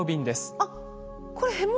あっこれも？